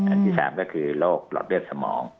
ที่๓ก็คือโรคหลอดเลือดสมอง